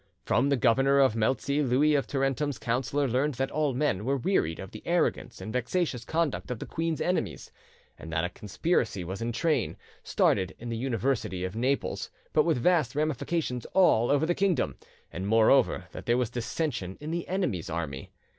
From the governor of Melzi Louis of Tarentum's counsellor learned that all men were wearied of the arrogance and vexatious conduct of the queen's enemies, and that a conspiracy was in train, started in the University of Naples, but with vast ramifications all over the kingdom, and moreover that there was dissension in the enemy's army.